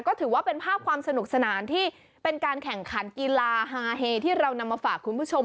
ก็ถือว่าเป็นภาพความสนุกสนานที่เป็นการแข่งขันกีฬาฮาเฮที่เรานำมาฝากคุณผู้ชม